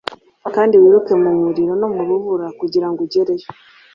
kandi wiruke mu muriro no mu rubura kugira ngo ugereyo.”